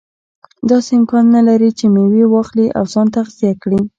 داسې امکان نه لري چې میوه واخلي او ځان تغذیه کړي.